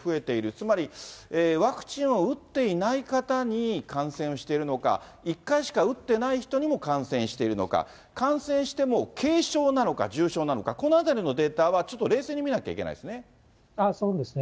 つまりワクチンを打っていない方に感染をしているのか、１回しか打っていない人にも感染しているのか、感染しても軽症なのか、重症なのか、このあたりのデータはちょっと冷静に見なきゃいけないですね。